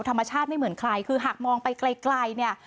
ธรรมชาติไม่เหมือนใครคือหากมองไปไกลเนี่ย